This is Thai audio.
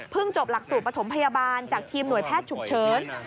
จบหลักสูตรปฐมพยาบาลจากทีมหน่วยแพทย์ฉุกเฉิน